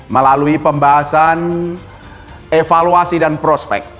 melalui pembahasan evaluasi dan prospek